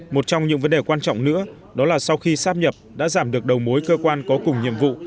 một trong những vấn đề quan trọng nữa đó là sau khi sắp nhập đã giảm được đầu mối cơ quan có cùng nhiệm vụ